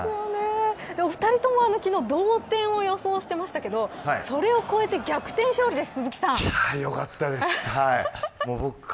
２人とも昨日、同点を予想していましたがそれを超えて逆転勝利です。